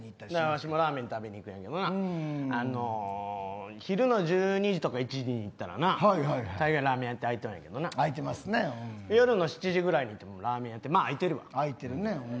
わしもラーメン食べに行くんやけどな昼の１２時とか１時に行ったらなたいがいライブラーメン屋開いとるんやけどな夜の何時ぐらいに行ってもラーメンは開いてるわな。